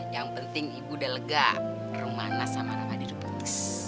yang penting ibu udah lega rumah nasa sama rahmadi udah putus